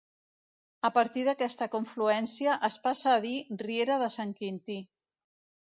A partir d'aquesta confluència es passa a dir Riera de Sant Quintí.